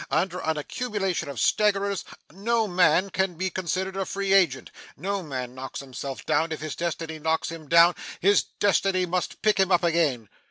Under an accumulation of staggerers, no man can be considered a free agent. No man knocks himself down; if his destiny knocks him down, his destiny must pick him up again.